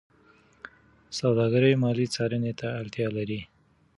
سوداګري مالي څارنې ته اړتیا لري.